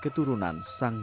lalu dengan gagal